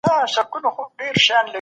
علمي پوهه موږ ته لار ښیي.